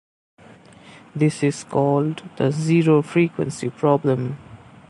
This is called the zero-frequency problem.